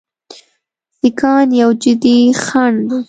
سیکهان یو جدي خنډ دی.